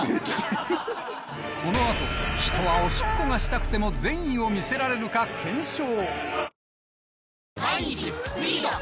この後人はおしっこがしたくても善意を見せられるか検証